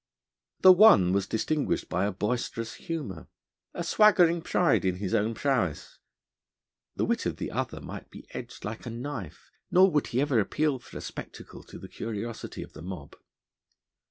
The one was distinguished by a boisterous humour, a swaggering pride in his own prowess; the wit of the other might be edged like a knife, nor would he ever appeal for a spectacle to the curiosity of the mob.